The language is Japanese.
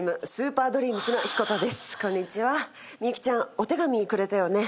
お手紙くれたよね。